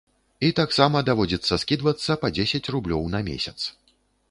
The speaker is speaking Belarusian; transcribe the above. І таксама даводзіцца скідвацца па дзесяць рублёў на месяц.